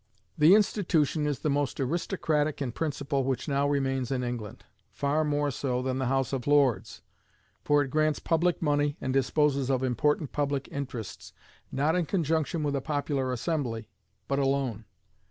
The institution is the most aristocratic in principle which now remains in England; far more so than the House of Lords, for it grants public money and disposes of important public interests, not in conjunction with a popular assembly, but alone.